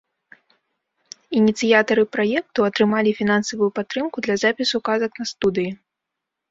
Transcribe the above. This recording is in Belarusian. Ініцыятары праекту атрымалі фінансавую падтрымку для запісу казак на студыі.